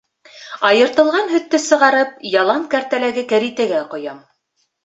Айыртылған һөттө сығарып, ялан кәртәләге кәритәгә ҡоям.